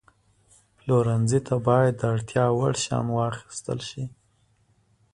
پلورنځي ته باید د اړتیا وړ شیان واخیستل شي.